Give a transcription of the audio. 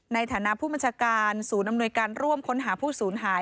ในฐานะผู้บัญชาการศูนย์อำนวยการร่วมค้นหาผู้สูญหาย